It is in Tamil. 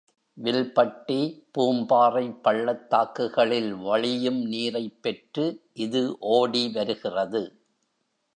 வில்பட்டி, பூம் பாறைப் பள்ளத்தாக்குகளில் வழியும் நீரைப் பெற்று இது ஓடி வருகிறது.